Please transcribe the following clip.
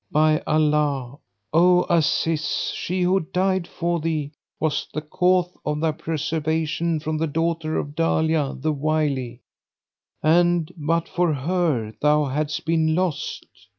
By Allah, O Aziz, she who died for thee was the cause of thy preservation from the daughter of Dalia the Wily; and, but for her, thou hadst been lost.